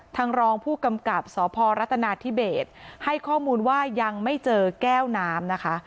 รองผู้กำกับสพรัฐนาธิเบสให้ข้อมูลว่ายังไม่เจอแก้วน้ำนะคะ